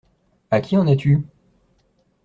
À qui en as-tu ?…